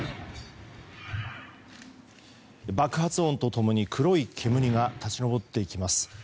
爆発音と共に黒い煙が立ち上っていきます。